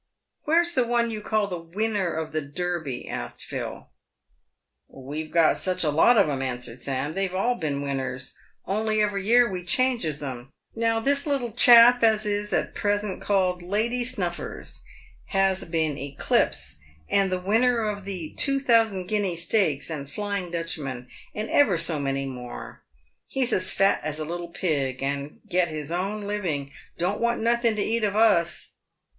" Where's the one you call the winner of the Derby ?" asked Phil. " We've got such a lot of 'em," answered Sam. " They've all been winners, only every year we changes 'em. Now this little chap as is at present called Lady Snuffers, has been Eclipse, and the winner of the Two Thousand Guinea Stakes, and Elying Dutchman, and ever so many more. He's as fat as a little pig and get his own living — don't want nothing to eat of us.